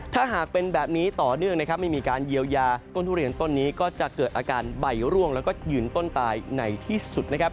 ถ้าหากเป็นแบบนี้ต่อเนื่องนะครับไม่มีการเยียวยาต้นทุเรียนต้นนี้ก็จะเกิดอาการใบร่วงแล้วก็ยืนต้นตายในที่สุดนะครับ